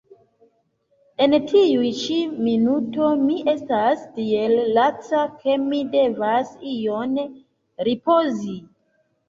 En tiu ĉi minuto mi estas tiel laca, ke mi devas iom ripozi.